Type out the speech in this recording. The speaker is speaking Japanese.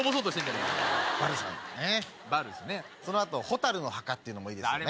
その後『火垂るの墓』っていうのもいいですよね。